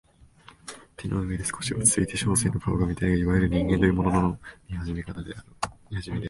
掌の上で少し落ちついて書生の顔を見たのがいわゆる人間というものの見始めであろう